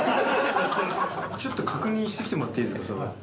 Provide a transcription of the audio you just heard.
ちょっと確認してきてもらっていいですか？